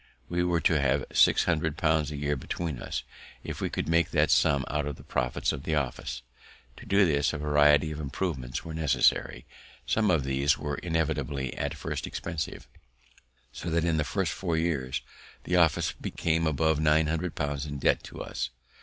We were to have six hundred pounds a year between us, if we could make that sum out of the profits of the office. To do this, a variety of improvements were necessary; some of these were inevitably at first expensive, so that in the first four years the office became above nine hundred pounds in debt to us.